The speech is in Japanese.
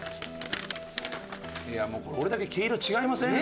いやもう俺だけ毛色違いません？